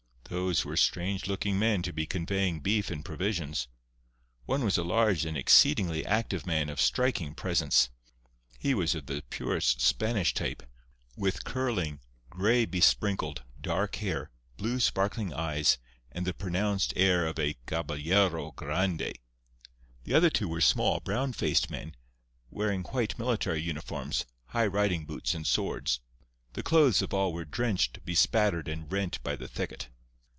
Those were strange looking men to be conveying beef and provisions. One was a large and exceedingly active man, of striking presence. He was of the purest Spanish type, with curling, gray besprinkled, dark hair, blue, sparkling eyes, and the pronounced air of a caballero grande. The other two were small, brown faced men, wearing white military uniforms, high riding boots and swords. The clothes of all were drenched, bespattered and rent by the thicket.